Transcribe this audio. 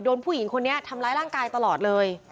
ผู้หญิงคนนี้ทำร้ายร่างกายตลอดเลย